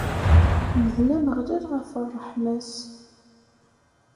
Ḥemden Ameɣlal ɣef ṛṛeḥma-s.